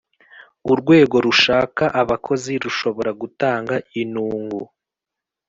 Urwego rushaka abakozi rushobora gutanga inungu